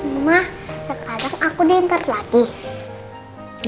mama sekarang aku dihantar lagi